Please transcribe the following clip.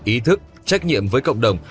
ý thức trách nhiệm với cộng đồng